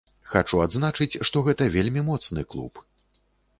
Хачу адзначыць, што гэта вельмі моцны клуб.